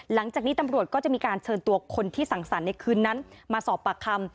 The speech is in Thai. หลังจากนี้ตำรวจก็จะมีการเชิญตัวคนที่สั่งสรรค์ในคืนนั้นมาสอบปากคำ